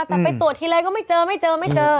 แต่ไปตรวจทีไรก็ไม่เจอไม่เจอไม่เจอ